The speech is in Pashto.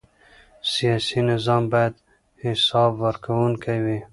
سیاسي نظام باید حساب ورکوونکی وي